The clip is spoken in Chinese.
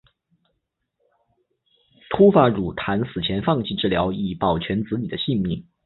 秃发傉檀死前放弃治疗以图保全子女的性命。